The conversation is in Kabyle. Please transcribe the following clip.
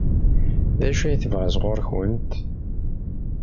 D acu i tebɣa sɣur-kent?